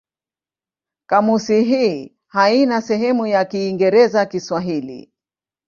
Kamusi hii haina sehemu ya Kiingereza-Kiswahili.